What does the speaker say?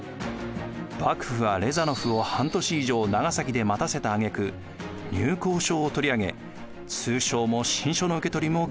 幕府はレザノフを半年以上長崎で待たせたあげく入港証を取り上げ通商も親書の受け取りも拒否しました。